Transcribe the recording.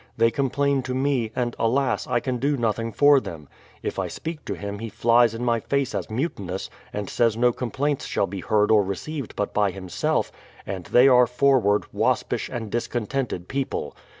They complain to me, and alas! I can do nothing for them. If I speak to him he flies in my face as mutinous, and says no complaints shall be heard or received but by himself, and they are forward, waspish, and discontented people.